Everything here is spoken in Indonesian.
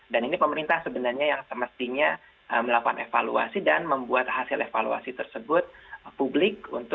dan ini pemerintah sebenarnya yang semestinya melakukan evaluasi dan membuat hasil evaluasi tersebut publik